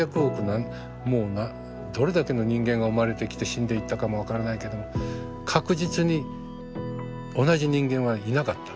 何もうどれだけの人間が生まれてきて死んでいったかも分からないけども確実に同じ人間はいなかった。